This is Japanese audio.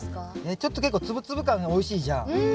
ちょっと結構ツブツブ感がおいしいじゃん。